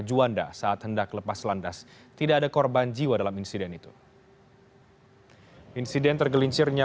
juanda saat hendak lepas landas tidak ada korban jiwa dalam insiden itu insiden tergelincirnya